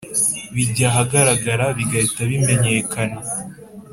bijya ahagaragara bigahita bimenyekana